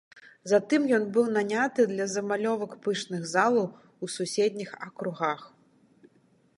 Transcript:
Затым ён быў наняты для замалёвак пышных залаў у суседніх акругах.